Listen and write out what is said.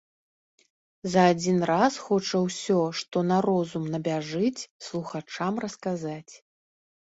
За адзін раз хоча ўсё, што на розум набяжыць, слухачом расказаць.